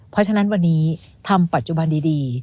เพราะฉะนั้นวันนี้ทำปัจจุบันดี